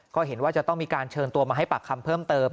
ก็เห็นว่าจะต้องมีการเชิญตัวมาให้ปากคำเพิ่มเติม